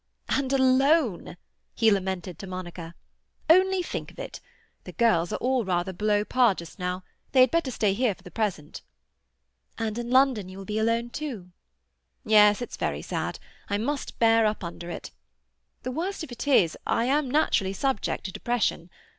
"And alone!" he lamented to Monica. "Only think of it. The girls are all rather below par just now; they had better stay here for the present." "And in London you will be alone too?" "Yes. It's very sad. I must bear up under it. The worst of it is, I am naturally subject to depression.